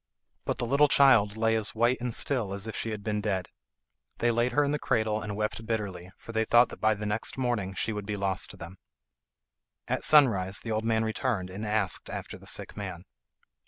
But the little child lay as white and still as if she had been dead. They laid her in the cradle and wept bitterly, for they thought that by the next morning she would be lost to them. At sunrise the old man returned and asked after the sick man.